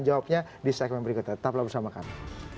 jawabnya di segmen berikutnya tetaplah bersama kami